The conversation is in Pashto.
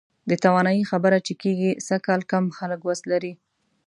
د توانایي خبره چې کېږي، سږکال کم خلک وس لري.